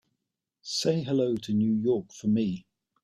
Say hello to New York for me.